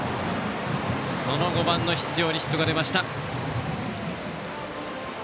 その５番の七條にヒットが出ました。